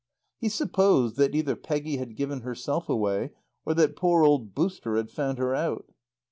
He supposed that either Peggy had given herself away, or that poor old "Booster" had found her out.